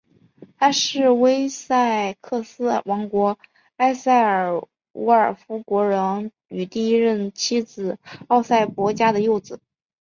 他是威塞克斯王国埃塞尔伍尔夫国王与第一任妻子奥斯博嘉的幼子。